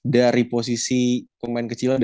dari posisi pemain kecil